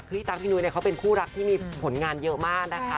คือพี่ตั๊กพี่นุ้ยเนี่ยเขาเป็นคู่รักที่มีผลงานเยอะมากนะคะ